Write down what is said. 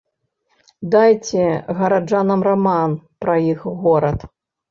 Дайце гараджанам раман пра іх горад.